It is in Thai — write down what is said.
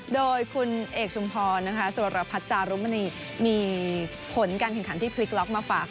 โดยคุณเอกชุมพอร์นะคะสวรรพัชจารุมณีมีผลการกินขันที่พลิกล็อกมาฝาก